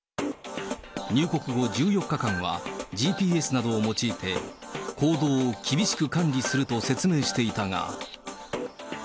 入国後１４日間は、ＧＰＳなどを用いて、行動を厳しく管理すると説明していたが。